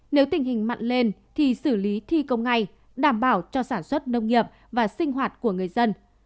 nếu tình hình mặn lên thì xử lý thi công ngay đảm bảo cho sản xuất nông nghiệp và sinh hoạt của người dân